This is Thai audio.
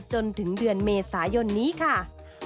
จนถึงเดือนเมษายนนี้ค่ะ